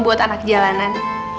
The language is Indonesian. buat anak jalanan